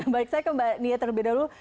baik saya ke mbak nia terlebih dahulu